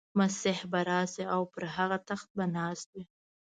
مسیح به راشي او پر هغه تخت به ناست وي.